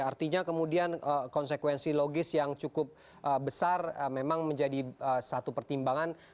artinya kemudian konsekuensi logis yang cukup besar memang menjadi satu pertimbangan